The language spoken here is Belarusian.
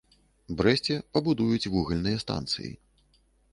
Брэсце пабудуюць вугальныя станцыі.